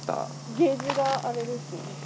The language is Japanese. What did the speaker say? ケージがあれですね。